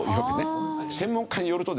専門家によるとですね